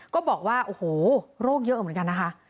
ก็บอกว่าโอ้โหโรคเยอะเหมือนกันนะคะ